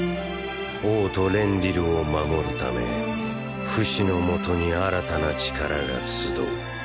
王都レンリルを守るためフシのもとに新たな力が集う。